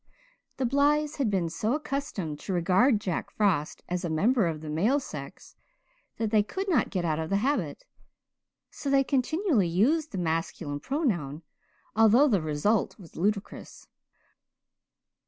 The Blythes had been so accustomed to regard Jack Frost as a member of the male sex that they could not get out of the habit. So they continually used the masculine pronoun, although the result was ludicrous.